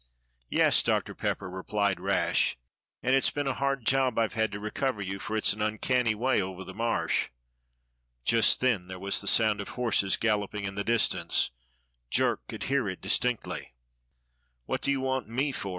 "Yes, Doctor Pepper," replied Rash, "and it's been a hard job I've had to recover you, for it's an uncanny way over the Marsh." Just then there was the sound of horses galloping in the distance, Jerk could hear it distinctly. "What do you want me for?"